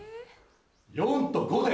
４と５で。